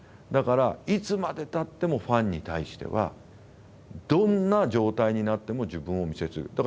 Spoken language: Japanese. だからいつまでたってもファンに対してはどんな状態になっても自分をお見せする。